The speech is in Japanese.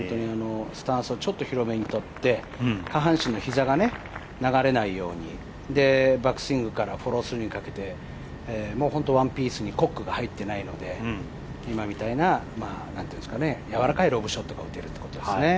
スタンスをちょっと広めにとって下半身の膝が流れないように、バックスイングからフォロースイングにかけて本当にワンピースにコックが入っていないので今みたいなやわらかいロブショットが打てるということでしょうね。